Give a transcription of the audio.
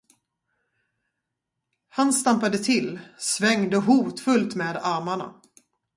Han stampade till, svängde hotfullt med armarna.